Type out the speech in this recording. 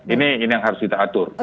ini yang harus kita atur